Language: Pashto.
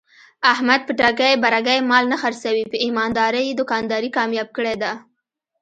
احمد په ټګۍ برگۍ مال نه خرڅوي. په ایماندارۍ یې دوکانداري کامیاب کړې ده.